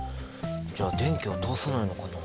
じゃあ電気は通さないのかな？